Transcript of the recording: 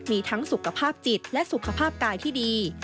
มีทั้งสุขภาพจิตและสุขภาพกายที่ดี